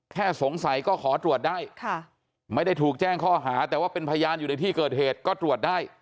แค่สงสัยก็ขอตรวจได้ไม่ได้ถูกแจ้งข้อหาแต่ว่าเป็นพยานอยู่ในที่เกิดเหตุก็ตรวจได้